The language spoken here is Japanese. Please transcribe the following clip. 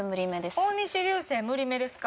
大西流星無理めですか？